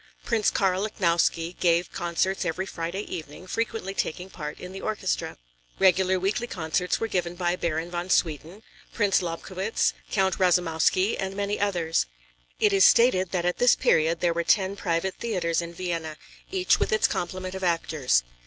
Prince Karl Lichnowsky gave concerts every Friday evening, frequently taking a part in the orchestra. Regular weekly concerts were given by Baron von Swieten, Prince Lobkowitz, Count Rasoumowsky and many others. It is stated that at this period there were ten private theatres in Vienna, each with its complement of actors.